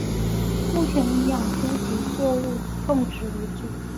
目前以养猪及作物种植为主。